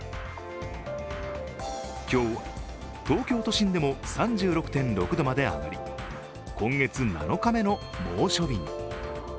今日、東京都心でも３６．６度まで上がり今月７日目の猛暑日に。